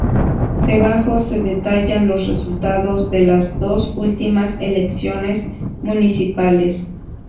Debajo se detallan los resultados de las dos últimas elecciones municipales.